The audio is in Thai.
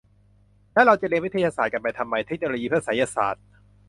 แล้วเราจะเรียนวิทยาศาสตร์กันไปทำไม เทคโนโลยีเพื่อไสยศาสตร์ ?